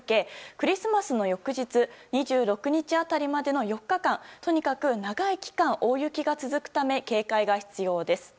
クリスマスの翌日２６日辺りまでの４日間とにかく長い期間大雪が続くため警戒が必要です。